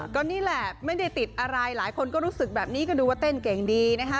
ก็นี่แหละไม่ได้ติดอะไรหลายคนก็รู้สึกแบบนี้ก็ดูว่าเต้นเก่งดีนะคะ